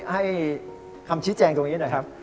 ให้คำชี้แจงตรงนี้หน่อยครับ